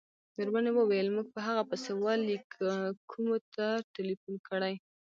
مېرمنې وویل: موږ په هغه پسې وه لېک کومو ته ټېلیفون کړی.